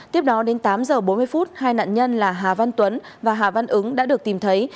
tiếp đó đến tám giờ bốn mươi phút hai nạn nhân là hà văn tuấn và hà văn ứng đã được tìm thấy